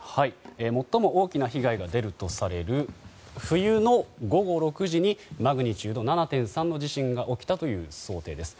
最も大きな被害が出るとされる冬の午後６時にマグニチュード７．３の地震が起きたという想定です。